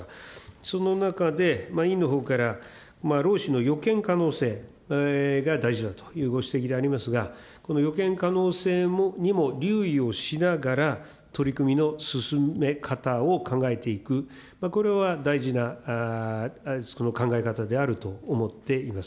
その中で、委員のほうから労使の予見可能性が大事だというご指摘でありますが、この予見可能性にも留意をしながら、取り組みの進め方を考えていく、これは大事な考え方であると思っています。